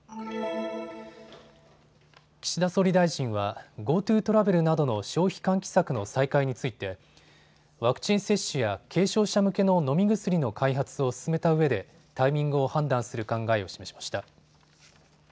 岸田総理大臣はＧｏＴｏトラベルなどの消費喚起策の再開についてワクチン接種や軽症者向けの飲み薬の開発を進めたうえでタイミングを判断する考えを示しました。